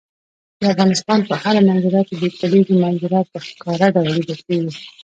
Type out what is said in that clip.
د افغانستان په هره منظره کې د کلیزو منظره په ښکاره ډول لیدل کېږي.